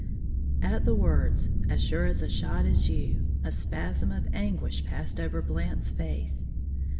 At the words, "as sure a shot as you," a spasm of anguish passed over Blant's face.